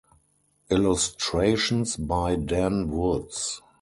Illustrations by Dan Woods.